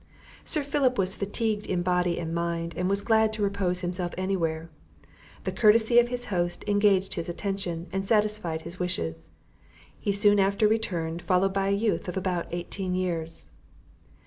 Sir Philip was fatigued in body and mind, and was glad to repose himself anywhere. The courtesy of his host engaged his attention, and satisfied his wishes. He soon after returned, followed by a youth of about eighteen years.